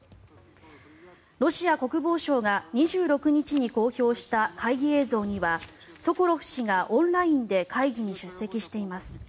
ロシア国防省が２６日に公表した会議映像にはソコロフ氏がオンラインで会議に出席しています。